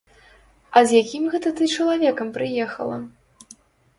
А з якім гэта ты чалавекам прыехала?